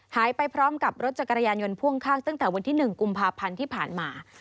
หายไปพร้อมกับรถจักรยานยนต์พ่วงข้างตั้งแต่วันที่๑กุมภาพันธ์ที่ผ่านมา